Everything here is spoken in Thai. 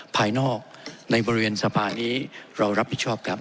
ภายนอกในบริเวณสภานี้เรารับผิดชอบครับ